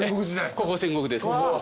ここ戦国です。